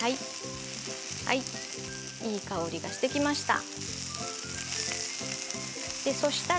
いい香りがしてきました。